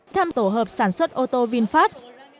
thăm tổ hợp sản xuất ô tô vinfast